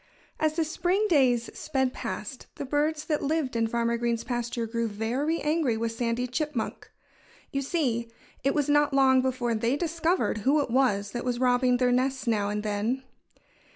As the spring days sped past, the birds that lived in Farmer Green's pasture grew very angry with Sandy Chipmunk. You see, it was not long before they discovered who it was that was robbing their nests now and then.